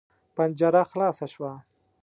پنجره خلاصه شوه.